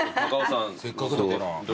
せっかくだから。